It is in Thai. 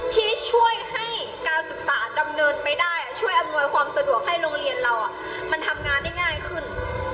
ที่ช่วยให้การศึกษาดำเนินไปได้ช่วยอำนวยความสะดวกให้โรงเรียนเรามันทำงานได้ง่ายขึ้น